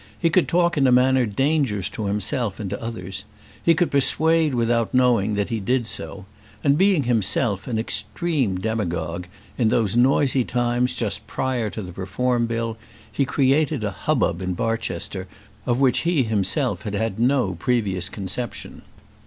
He could talk in a manner dangerous to himself and others; he could persuade without knowing that he did so; and being himself an extreme demagogue, in those noisy times just prior to the Reform Bill, he created a hubbub in Barchester of which he himself had had no previous conception.